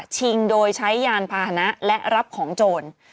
ชิงโดยใช้ยานพาหนะและรับของโจร